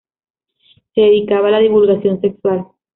Se dedicaba a la divulgación sexual.